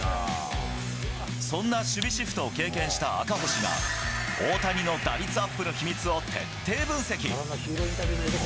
そんな守備シフトを経験した赤星が、大谷の打率アップの秘密を徹底分析。